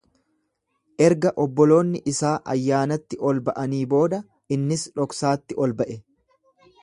Erga obboloonni isaa ayyaanatti ol ba’anii booda, innis dhoksaatti ol ba’e.